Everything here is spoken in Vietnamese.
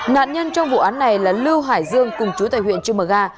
nạn nhân trong vụ án này là lưu hải dương cùng chú tại huyện trư mờ ga